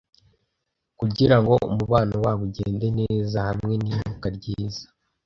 kugirango umubano wabo ugende neza. Hamwe nibuka ryiza